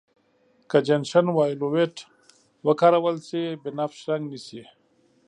که جنشن وایولېټ وکارول شي بنفش رنګ نیسي.